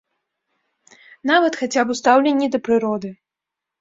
Нават хаця б у стаўленні да прыроды.